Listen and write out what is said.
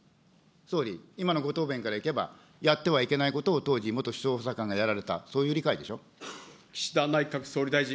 総理、今のご答弁からいけば、やってはいけないことを当時元首相補佐官がやられた、そういう理解でしょ。